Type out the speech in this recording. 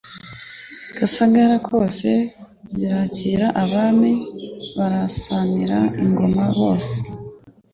Gasagara kwose zirakira Abami barasanira ingoma bose.